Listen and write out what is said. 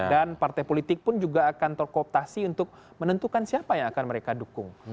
dan partai politik pun juga akan terkooptasi untuk menentukan siapa yang akan mereka dukung